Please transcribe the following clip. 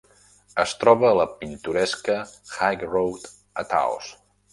Es troba a la pintoresca High Road a Taos.